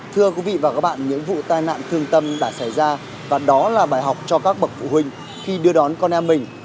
thưa quý vị và các bạn những vụ tai nạn thương tâm đã xảy ra và đó là bài học cho các bậc phụ huynh khi đưa đón con em mình